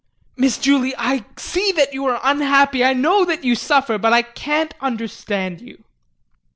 Miss Julie, I see that you are unhappy, I know that you suffer, but I can't understand you.